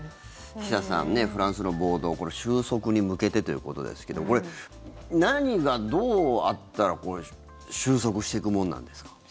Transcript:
岸田さん、フランスの暴動収束に向けてということですけどこれ、何がどうあったら収束していくものなんですか。